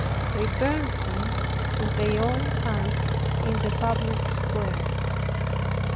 They burned them with their own hands in the public square.